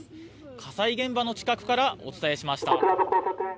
火災現場の近くからお伝えしました。